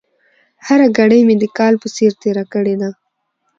هره ګړۍ مې د کال په څېر تېره کړې ده.